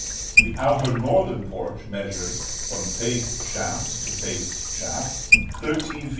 The outer northern porch measures, from face shaft to face shaft, 13 ft.